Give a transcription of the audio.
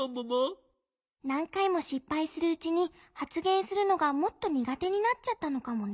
何かいもしっぱいするうちにはつげんするのがもっと苦手になっちゃったのかもね。